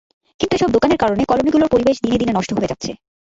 কিন্তু এসব দোকানের কারণে কলোনিগুলোর পরিবেশ দিনে দিনে নষ্ট হয়ে যাচ্ছে।